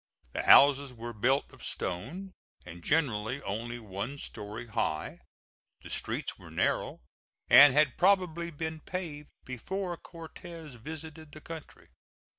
The houses were built of stone and generally only one story high. The streets were narrow, and had probably been paved before Cortez visited the country.